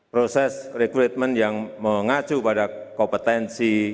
proses rekrutmen yang mengacu pada kompetensi